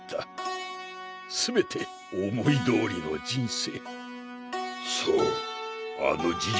全て思いどおりの人生。